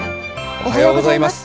おはようございます。